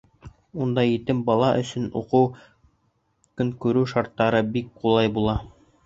Унда етем бала өсөн уҡыу, көнкүреш шарттары бик ҡулай була.